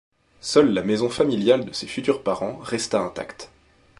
Seule la maison familiale de ses futurs parents resta intacte.